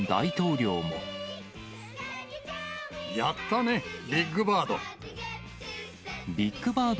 やったね、ビッグバード。